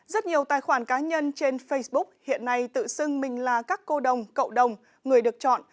rất nhiều tài khoản cá nhân trên facebook hiện nay tự xưng mình là các cô đồng cậu đồng người được chọn